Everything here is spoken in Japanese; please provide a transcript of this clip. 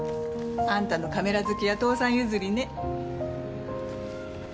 あんたのカメラ好きは父さん譲りね。